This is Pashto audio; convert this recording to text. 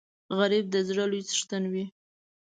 غریب د زړه لوی څښتن وي